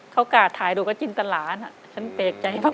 เขากาดถ่ายดูก็จินตลานฉันแปลกใจมาก